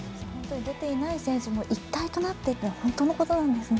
出ていない選手も一体となってというのは、本当のことなんですね。